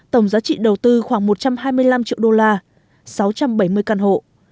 tổng giá trị đầu tư khoảng một trăm hai mươi năm triệu đô la sáu trăm bảy mươi căn hộ